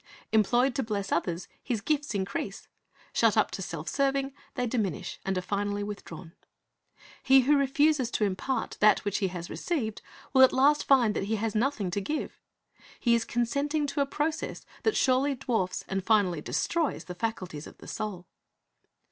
"^ Employed to bless others, his gifts increase. Shut up to self serving, they diminish, and are finally withdrawn. He who refuses to impart that which he has received, will at last find that he has nothing to give. He is consenting to a process that surely dwarfs and finally destroys the faculties of the soul.